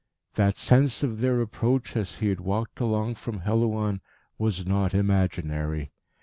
That sense of their approach as he had walked along from Helouan was not imaginary.